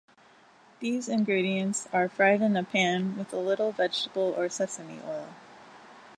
These ingredients are fried in a pan with a little vegetable or sesame oil.